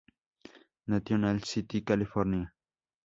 National City, California.